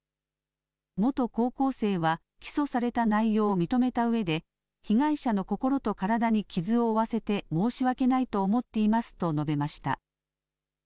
元高校生は起訴された内容を認めたうえで被害者の心と体に傷を負わせて申し訳ないと思っていますと述べました。